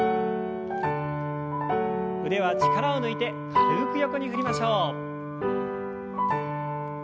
腕は力を抜いて軽く横に振りましょう。